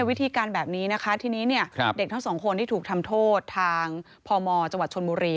วิธีการแบบนี้นะคะทีนี้เนี่ยเด็กทั้งสองคนที่ถูกทำโทษทางพมจังหวัดชนบุรี